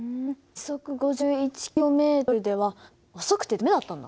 時速５１ｋｍでは遅くて駄目だったんだ。